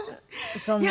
そんな。